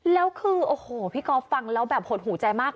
แล้วคือโอ้โหพี่ก๊อฟฟังแล้วแบบหดหูใจมาก